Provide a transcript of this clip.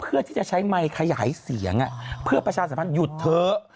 เพื่อที่จะใช้ไมค์ขยายเสียงเพื่อประชาสัมพันธ์หยุดเถอะ